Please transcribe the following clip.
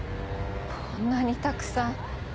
こんなにたくさん。